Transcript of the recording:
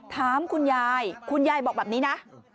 ถามคุณยายคุณยายบอกแบบนี้นะ